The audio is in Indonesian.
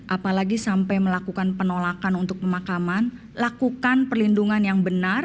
apalagi sampai melakukan penolakan untuk pemakaman lakukan perlindungan yang benar lakukan juga apd